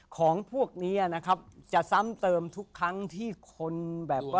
ของพวกนี้นะครับจะซ้ำเติมทุกครั้งที่คนแบบว่า